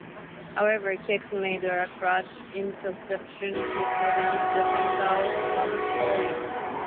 However, Hicks made a clutch interception to prevent the Bengals from scoring.